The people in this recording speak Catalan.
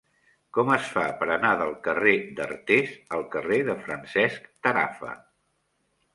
Com es fa per anar del carrer d'Artés al carrer de Francesc Tarafa?